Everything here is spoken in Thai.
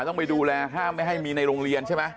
ต้องไปดูแลห้ามไม่ให้มีในโรงเรียนใช่ไหม